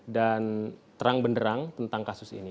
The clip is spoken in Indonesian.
dan terang benerang tentang kasus ini